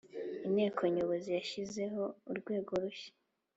Inteko Nyobozi yashyizeho urwego rushya